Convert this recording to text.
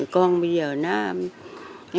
còn bây giờ nó